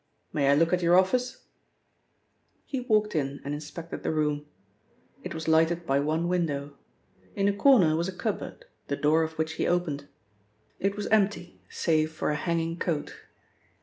May I look at your office?" He walked in and inspected the room. It was lighted by one window. In a corner was a cupboard, the door of which he opened. It was empty save for a hanging coat.